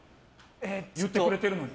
言ってくれてるのに。